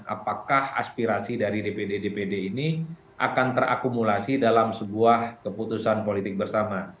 apakah aspirasi dari dpd dpd ini akan terakumulasi dalam sebuah keputusan politik bersama